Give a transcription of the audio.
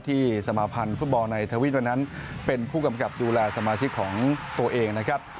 สมาพันธ์ฟุตบอลในทวิตวันนั้นเป็นผู้กำกับดูแลสมาชิกของตัวเองนะครับ